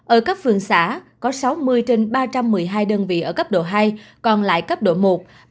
ở cấp phường xã có sáu mươi trên ba trăm một mươi hai đơn vị ở cấp độ hai còn lại cấp độ một